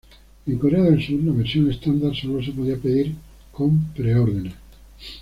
En Corea del Sur, la versión standard sólo se podía pedir con pre-ordenes.